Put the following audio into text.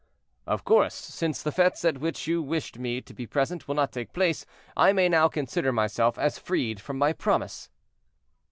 "Of course, since the fetes at which you wished me to be present will not take place, I may now consider myself as freed from my promise."